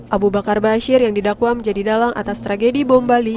abu bakar bashir yang didakwa menjadi dalang atas tragedi bom bali